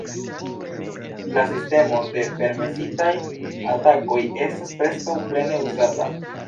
La sistemo de "permesitaj" atakoj estas preskaŭ plene uzata.